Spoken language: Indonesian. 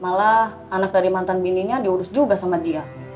malah anak dari mantan bininya diurus juga sama dia